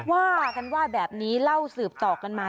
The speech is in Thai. ว่ากันว่าแบบนี้เล่าสืบต่อกันมา